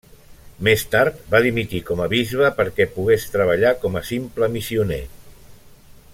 Més tard va dimitir com a bisbe perquè pogués treballar com a simple missioner.